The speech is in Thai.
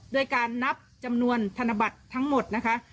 โดยการนับจำนวนธนบัตรทั้งหมดนะคะ